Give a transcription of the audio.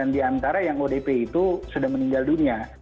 satu ratus dua puluh sembilan diantara yang odp itu sudah meninggal dunia